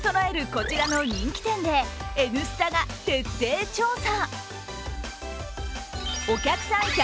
こちらの人気店で「Ｎスタ」が徹底調査。